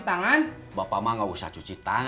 lalu berangkat castle